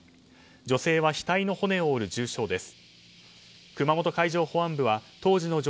女性は額の骨を折る重傷です。